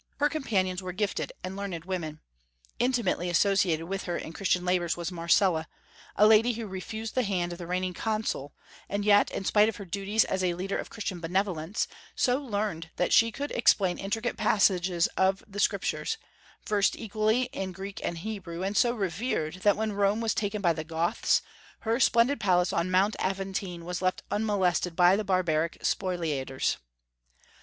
Her companions were gifted and learned women. Intimately associated with her in Christian labors was Marcella, a lady who refused the hand of the reigning Consul, and yet, in spite of her duties as a leader of Christian benevolence, so learned that she could explain intricate passages of the Scriptures; versed equally in Greek and Hebrew; and so revered, that, when Rome was taken by the Goths, her splendid palace on Mount Aventine was left unmolested by the barbaric spoliators.